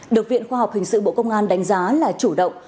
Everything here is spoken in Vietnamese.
được viện khoa học hình sự bộ công an đánh giá là chủ động